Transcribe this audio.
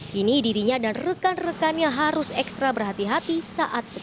kini dirinya dan rekan rekannya harus ekstra berhati hati saat bekerja